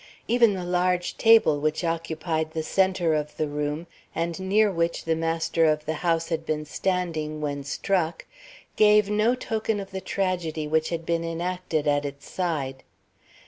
Even the large table which occupied the centre of the room and near which the master of the house had been standing when struck gave no token of the tragedy which had been enacted at its side.